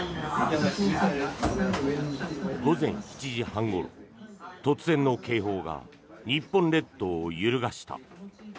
午前７時半ごろ、突然の警報が日本列島を揺るがした。